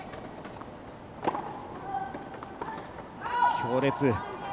強烈。